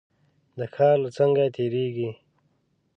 د ښار له څنګ تېرېږو.